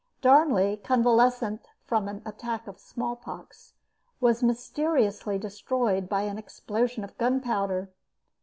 Darnley, convalescent from an attack of smallpox, was mysteriously destroyed by an explosion of gunpowder.